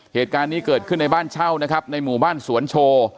เหตุการณ์นี้เกิดขึ้นในบ้านเช่านะครับในหมู่บ้านสวนโชว์